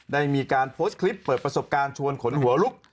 ได้มีการโพสต์คลิปเปิดประสบการณ์ชวนขนหัวลุก